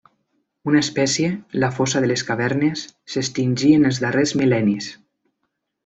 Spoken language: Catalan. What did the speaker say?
Una espècie, la fossa de les cavernes, s'extingí en els darrers mil·lennis.